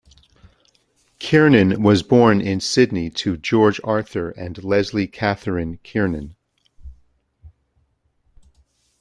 Kiernan was born in Sydney to George Arthur and Leslie Katherine Kiernan.